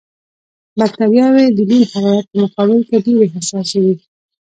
بکټریاوې د لوند حرارت په مقابل کې ډېرې حساسې وي.